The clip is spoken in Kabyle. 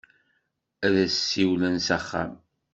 Ad as-siwlen s axxam.